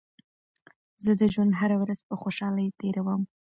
زه د ژوند هره ورځ په خوشحالۍ تېروم.